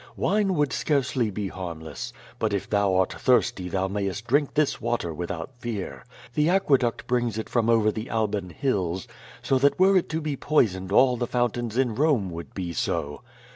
Wine would scarcely be harmless; but if thou art thirsty thou mayest drink this water without fear. The aqueduct brings it from over the Alban Hills, so that were it to be poisoned all the fountains in Rome would be so.